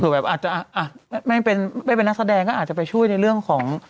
ถือแบบแม่เป็นนักสาดังก็อาจจะไปช่วยในเรื่องของ